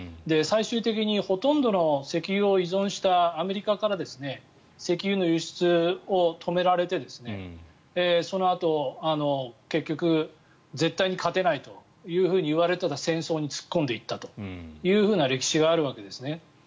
最終的にほとんどの石油を依存したアメリカから石油の輸出を止められてそのあと結局絶対に勝てないといわれていた戦争に突っ込んでいったという歴史があるんですね。